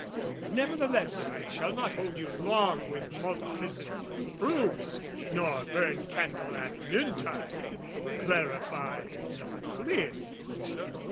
Nevertheless I shall not hold you long With multiplicity of proofs, nor burn Candle at noon tide, clarify the clear.